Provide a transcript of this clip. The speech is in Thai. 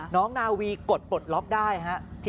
น้องนาวีกดปลดล็อกได้ครับ